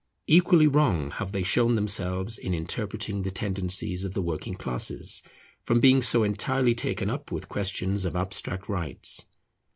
Equally wrong have they shown themselves in interpreting the tendencies of the working classes, from being so entirely taken up with questions of abstract rights.